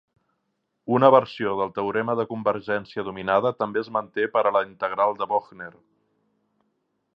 Una versió del teorema de convergència dominada també es manté per a la integral de Bochner.